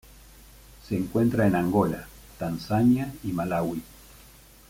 Se encuentra en Angola, Tanzania y Malaui.